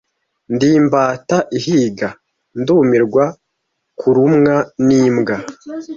Ndi imbata ihiga, ndumirwa kurumwa n'imbwa,